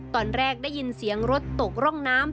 ตอนแรกได้ยินเสียงรถตกร่องน้ำ